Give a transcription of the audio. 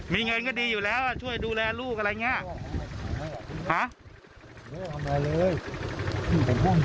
มีเงินก็ดีอยู่แล้วช่วยดูแลลูกอะไรอย่างนี้